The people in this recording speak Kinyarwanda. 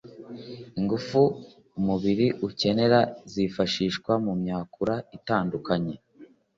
Ingufu umubiri ukenera zifashishwa mu myakura itandukanye